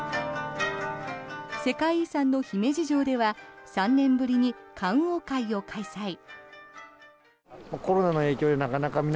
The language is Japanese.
世界遺産の姫路城では３年ぶりに観桜会を開催。